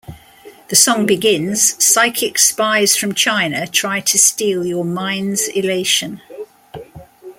The song begins Psychic spies from China try to steal your mind's elation.